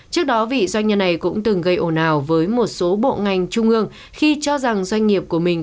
trước đó vị doanh nhân này cũng từng gây ồn ào với một số bộ ngành trung ương khi cho rằng doanh nghiệp của mình